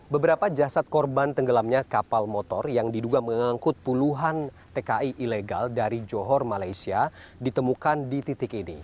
beberapa jasad korban tenggelamnya kapal motor yang diduga mengangkut puluhan tki ilegal dari johor malaysia ditemukan di titik ini